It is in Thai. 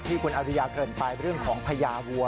คุณอริยาเกินไปเรื่องของพญาวัว